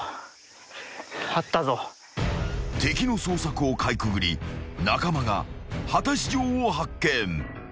［敵の捜索をかいくぐり中間が果たし状を発見］